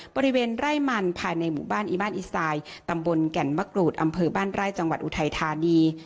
บริเวณไร่มันภายในหมู่บ้านอีบ้านอีไซน์ตำบลแก่นมะกรูดอำเภอบ้านไร่จังหวัดอุทัยธานี